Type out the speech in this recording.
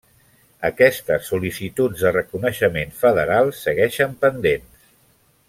Aquestes sol·licituds de reconeixement federal segueixen pendents.